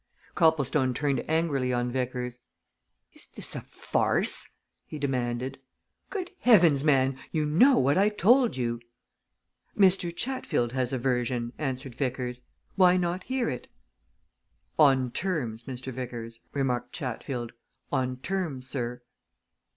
Copplestone turned angrily on Vickers. "Is this a farce?" he demanded. "Good heavens, man! you know what I told you!" "Mr. Chatfield has a version," answered Vickers. "Why not hear it?" "On terms, Mr. Vickers," remarked Chatfield. "On terms, sir."